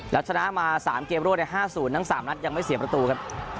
แล้วชนะมา๓เกมรวด๕๐ทั้ง๓นัดยังไม่เสียประตูครับ